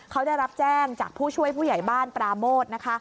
เขาได้รับแจ้งจากผู้ช่วยผู้ใหญ่บ้านปราโมทนะคะ